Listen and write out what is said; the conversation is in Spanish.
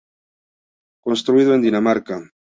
Construido en Dinamarca.